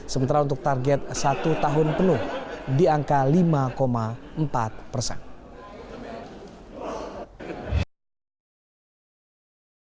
sementara untuk target satu tahun penuh di angka lima empat persen